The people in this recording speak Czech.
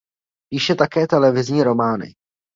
Píše také detektivní romány.